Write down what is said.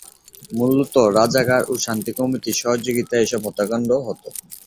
মূলত রাজাকার ও শান্তি কমিটির সহযোগিতায় এসব হত্যাকাণ্ড হত।